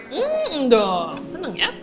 hmm dong seneng ya